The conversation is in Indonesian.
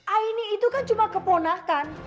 aini itu kan cuma keponah kan